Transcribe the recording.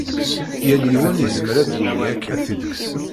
Yal yiwen yezmer ad d-yini akka.